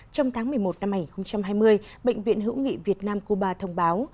trong tháng một mươi một năm hai nghìn hai mươi bệnh viện hữu nghị việt nam cuba thông báo